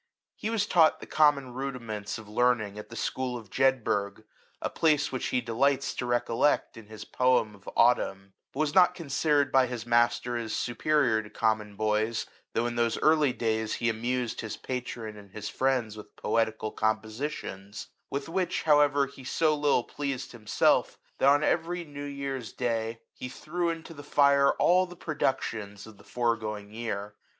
He was taught the common rudiments of learning at the school of Jedburg, a place which he delights to recollect in his poem of " Autumn;" but was not considered by his master as superior to common boys, though in those early days he amused his patron and his friends with poetical compo sitions; with which, however, he so little pleased himself, that on every new year's Via LIFE OF THOMSON. day he threw into the fire all the produc tions of the foregoing year.